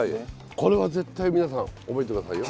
これは絶対皆さん覚えて下さいよ。